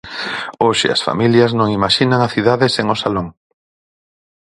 Hoxe as familias non imaxinan a cidade sen o Salón.